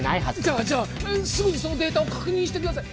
じゃあじゃあすぐにそのデータを確認してください